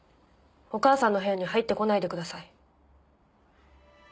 お母さんの部屋に入ってこないでください。